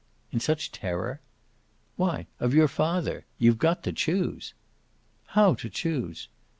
"In such terror?" "Why of your father. You've got to choose." "How, to choose?"